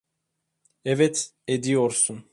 Evet, ediyorsun.